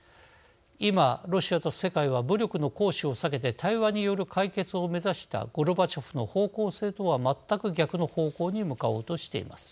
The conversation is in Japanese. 今、ロシアと世界は武力の行使を避けて対話による解決を目指したゴルバチョフの方向性とは全く逆の方向に向かおうとしています。